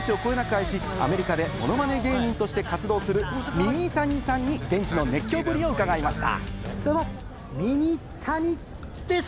『ＤａｙＤａｙ．』は大谷選手をこよなく愛し、アメリカでモノマネ芸人として活動するミニタニさんに現地の熱狂ぶりを伺いました。